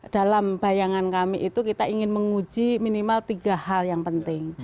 dalam bayangan kami itu kita ingin menguji minimal tiga hal yang penting